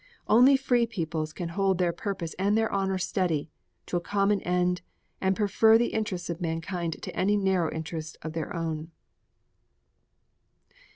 Only free peoples can hold their purpose and their honor steady to a common end and prefer the interests of mankind to any narrow interest of their own.